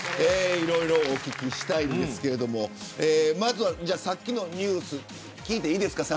いろいろお聞きしたいんですけどまずはさっきのニュース聞いていいですか。